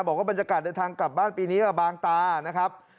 บอกว่าบรรยากาศเดินทางกลับบ้านปีนี้บางตานะครับ